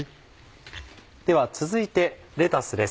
では続いてレタスです。